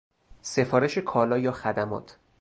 سفارش کالا یا خدمات